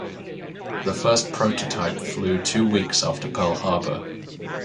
The first prototype flew two weeks after Pearl Harbor.